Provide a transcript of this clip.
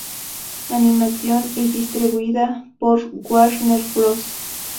Animation y distribuida por Warner Bros.